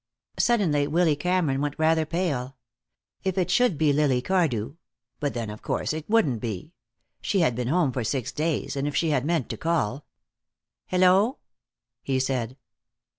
Suddenly Willy Cameron went rather pale. If it should be Lily Cardew but then of course it wouldn't be. She had been home for six days, and if she had meant to call "Hello," he said.